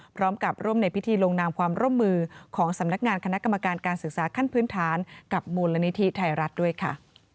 พร้อมกับร่วมในพิธีลงนามความร่วมมือของสำนักงานคณะกรรมการการศึกษาขั้นพื้นฐานกับมูลนิธิไทยรัฐด้วยค่ะ